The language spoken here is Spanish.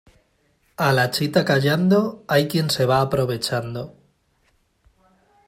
A la chita callando, hay quien se va aprovechando.